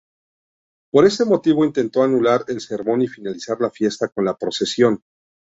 Por este motivo intentó anular el sermón y finalizar la fiesta con la procesión.